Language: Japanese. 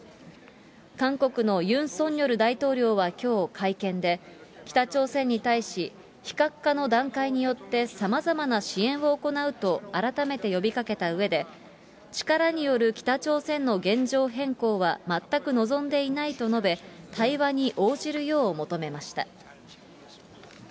韓国のユン・ソンニョル大統領はきょう会見で、北朝鮮に対し、非核化の段階によって、さまざまな支援を行うと改めて呼びかけたうえで、力による北朝鮮の現状変更は、全く望んでいないと述べ、対話に応じるよう求めました。